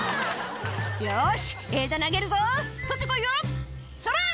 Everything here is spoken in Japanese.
「よし枝投げるぞ取ってこいよそれ！」